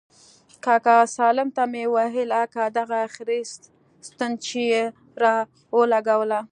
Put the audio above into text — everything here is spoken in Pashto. کاکا سالم ته مې وويل اكا دغه اخري ستن چې يې راولګوله.